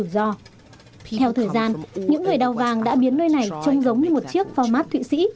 theo thời gian những người đào vàng đã biến nơi này trông giống như một chiếc format thụy sĩ